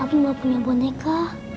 aku mau punya boneka